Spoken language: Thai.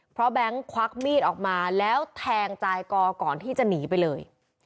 เพราะแบงค์ควักมีดออกมาแล้วแทงใจกอก่อนที่จะหนีไปเลย